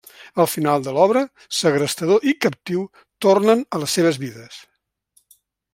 El final de l’obra, segrestador i captiu tornen a les seves vides.